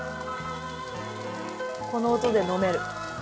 この音で飲める？